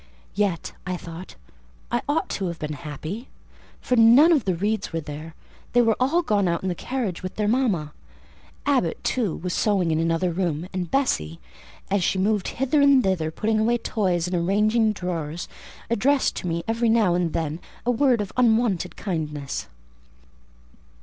Yet, I thought, I ought to have been happy, for none of the Reeds were there, they were all gone out in the carriage with their mama. Abbot, too, was sewing in another room, and Bessie, as she moved hither and thither, putting away toys and arranging drawers, addressed to me every now and then a word of unwonted kindness.